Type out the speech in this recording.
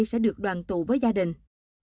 sẽ được đoàn tụ với gia đình